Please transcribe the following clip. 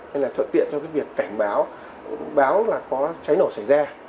nên là thuận tiện cho cái việc cảnh báo báo là có cháy nổ xảy ra